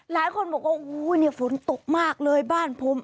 หลายคนบอกว่าฝนตกมากเลยบ้านผม